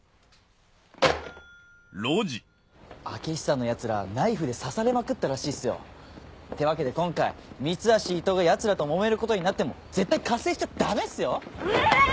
開久のヤツらナイフで刺されまくったらしいっすよ。ってわけで今回三橋伊藤がヤツらともめることになっても絶対加勢しちゃダメっすよ！